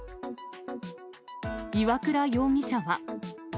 岩倉容疑者は。